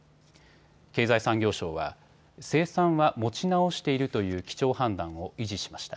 経済産業省は生産は持ち直しているという基調判断を維持しました。